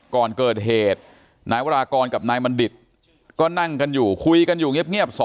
ก่อนเกิดเหตุนายวรากรกับนายบัณฑิตก็นั่งกันอยู่คุยกันอยู่เงียบ